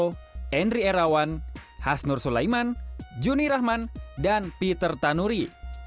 henry erawan hasnur sulaiman juni rahman dan peter tanuri